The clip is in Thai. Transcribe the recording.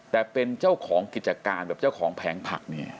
แต่เป็นเจ้าของกิจการแบบเจ้าของแผงผักเนี่ย